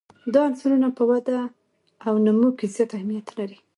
دا عنصرونه په وده او نمو کې زیات اهمیت لري.